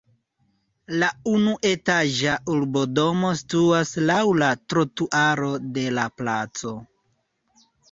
La unuetaĝa urbodomo situas laŭ la trotuaro de la placo.